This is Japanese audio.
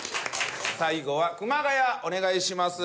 最後は熊谷お願いします。